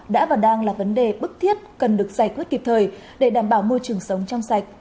đã và đang là vấn đề bức thiết cần được giải quyết kịp thời để đảm bảo môi trường sống trong sạch